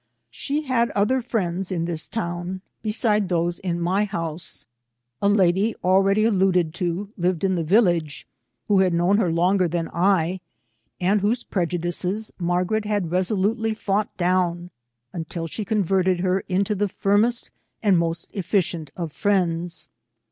She had other friends, in this town, beside those 02 292 VISITS TO CONCOHD. in my house. A lad}^, already alluded to, lived in the village, who had known her longer than I, and whose prejudices Margaret had resolutely fought down, until she converted her into the firmest and most efficient of friends.